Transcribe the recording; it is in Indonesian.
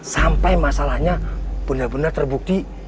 sampai masalahnya benar benar terbukti